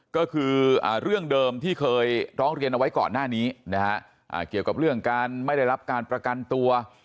ก็คือเรื่องเดิมที่เคยร้องเรียนเอาไว้ก่อนหน้านี้นะฮะเกี่ยวกับเรื่องการไม่ได้รับการประกันตัว